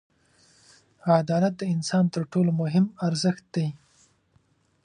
• عدالت د انسان تر ټولو مهم ارزښت دی.